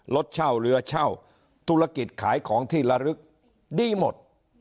รถเช่าเรือเช่าธุรกิจขายของที่ระลึกดีหมด